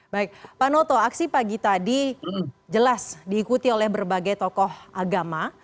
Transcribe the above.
baik pak noto aksi pagi tadi jelas diikuti oleh berbagai tokoh agama